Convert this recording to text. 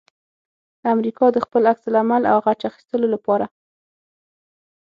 امریکا د خپل عکس العمل او غچ اخستلو لپاره